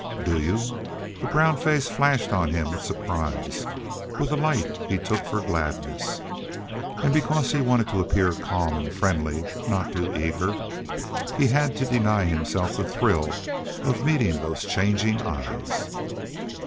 "Do y'u?" The brown face flashed on him with surprise, with a light he took for gladness. And because he wanted to appear calm and friendly, not too eager, he had to deny himself the thrill of meeting those changing eyes.